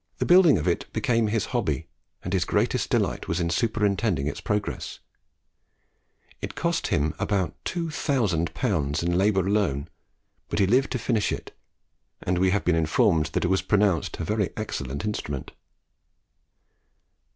The building of it became his hobby, and his greatest delight was in superintending its progress. It cost him about two thousand pounds in labour alone, but he lived to finish it, and we have been informed that it was pronounced a very excellent instrument.